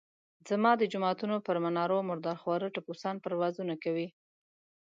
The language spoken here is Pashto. زما د جوماتونو پر منارونو مردار خواره ټپوسان پروازونه کوي.